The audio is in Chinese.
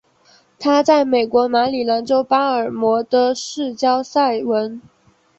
她在美国马里兰州巴尔的摩的市郊塞文。